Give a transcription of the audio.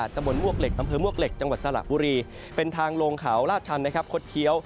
ตำบลมวกเหล็กอำเภอมวกเหล็กจังหวัดสระบุรีเป็นทางลงเขาลาดชันนะครับคดเคี้ยว